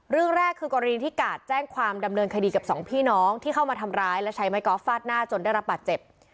เรื่องแรกคือกรณีที่กาดแจ้งความดำเนินคดีกับสองพี่น้องที่เข้ามาทำร้ายและใช้ไม้กอล์ฟฟาดหน้าจนได้รับบาดเจ็บ